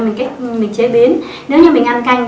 cách mình chế biến nếu như mình ăn canh